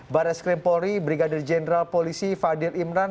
baris krim polri brigadir jenderal polisi fadil imran